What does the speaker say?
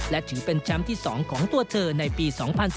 และถือเป็นแชมป์ที่๒ของตัวเธอในปี๒๐๑๘